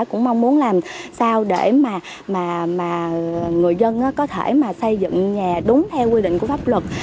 cũng mong muốn làm sao để mà người dân có thể mà xây dựng nhà đúng theo quy định của pháp luật